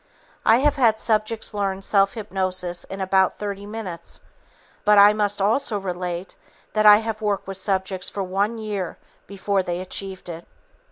I have had subjects learn self hypnosis in about 30 minutes, but I must also relate that I have worked with subjects for one year before they achieved it.